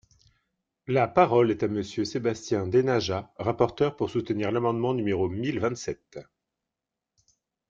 La parole est à Monsieur Sébastien Denaja, rapporteur, pour soutenir l’amendement numéro mille vingt-sept.